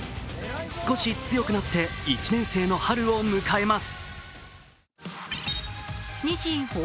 少し強くなって１年生の春を迎えます。